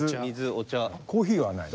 コーヒーはないの？